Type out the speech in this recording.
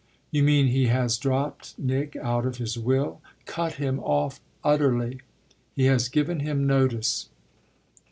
"You mean he has dropped Nick out of his will?" "Cut him off utterly. He has given him notice."